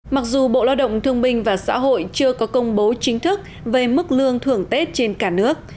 mặc dù bộ lao động thương minh và xã hội chưa có công bố chính thức về mức lương thưởng tết trên cả nước